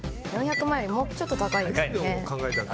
４００万よりもうちょっと高いんですよね。